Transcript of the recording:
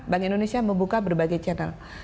bank indonesia membuka berbagai channel